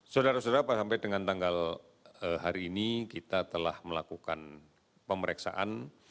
saudara saudara pak sampai dengan tanggal hari ini kita telah melakukan pemeriksaan